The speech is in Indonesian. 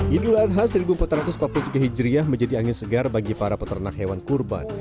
idul adha seribu empat ratus empat puluh tiga hijriah menjadi angin segar bagi para peternak hewan kurban